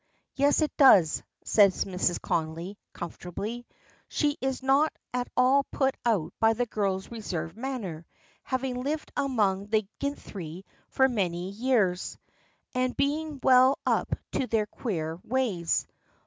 "Yes, it does," says Mrs. Connolly, comfortably. She is not at all put out by the girl's reserved manner, having lived among the "ginthry" for many years, and being well up to their "quare ways."